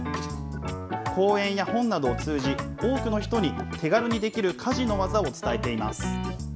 講演や本などを通じ、多くの人に手軽にできる家事の技を伝えています。